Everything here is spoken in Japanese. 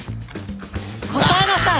答えなさい！